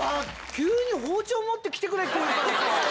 急に包丁持って来てくれって言うからさ。